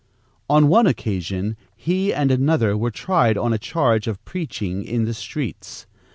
On one occasion he and another were tried on a charge of preaching in the streets.